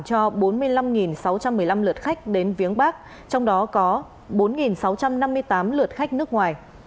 cho bốn mươi năm sáu trăm một mươi năm lượt khách đến viếng bắc trong đó có bốn sáu trăm năm mươi tám lượt khách nước ngoài